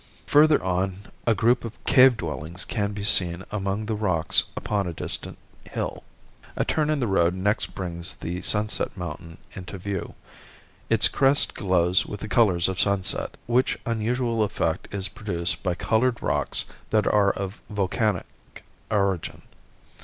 Further on a group of cave dwellings can be seen among the rocks upon a distant bill. A turn in the road next brings the Sunset Mountain into view. Its crest glows with the colors of sunset, which unusual effect is produced by colored rocks that are of volcanic origin.